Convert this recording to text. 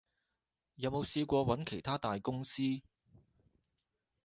有冇嘗試過揾其它大公司？